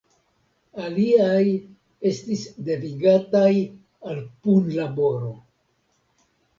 Aliaj estis devigataj al punlaboro.